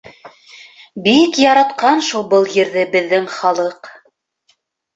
Бик яратҡан шул был ерҙе беҙҙең халыҡ...